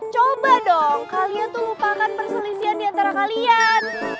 coba dong kalian tuh lupakan perselisihan diantara kalian